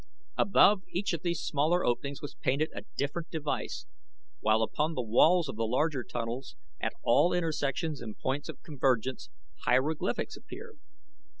Above each of these smaller openings was painted a different device, while upon the walls of the larger tunnels at all intersections and points of convergence hieroglyphics appeared.